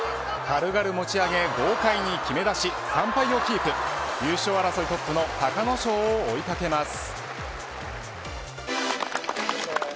軽々持ち上げ豪快にきめ出し、３敗をキープ優勝争いトップの隆の勝を追いかけます。